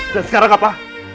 dan sekarang apa